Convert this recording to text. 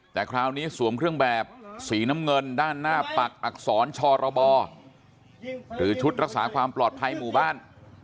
แต่คราวนี้สวมเครื่องแบบสีน้ำเงินด้านหน้าปักอักษรชรบหรือชุดรักษาความปลอดภัยหมู่บ้าน